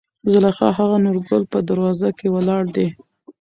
زليخا : هغه نورګل په دروازه کې ولاړ دى.